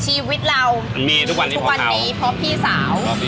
ชีวิตเรามีทุกวันนี้เพราะพี่สาว